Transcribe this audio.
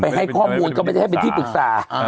ให้ข้อมูลก็ไม่ได้ให้เป็นที่ปรึกษา